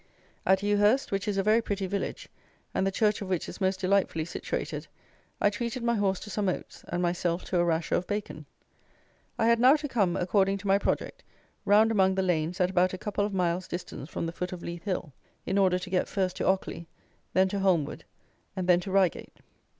At Ewhurst, which is a very pretty village, and the Church of which is most delightfully situated, I treated my horse to some oats, and myself to a rasher of bacon. I had now to come, according to my project, round among the lanes at about a couple of miles distance from the foot of Leith Hill, in order to get first to Ockley, then to Holmwood, and then to Reigate.